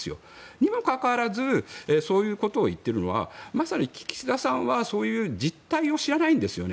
にもかかわらずそういうことを言っているのはまさに岸田さんはそういう実態を知らないんですよね。